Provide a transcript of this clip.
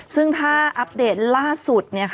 ซึ่งถ้าอัปเดตล่าสุด